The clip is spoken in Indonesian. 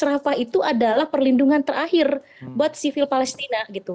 rafah itu adalah perlindungan terakhir buat sivil palestina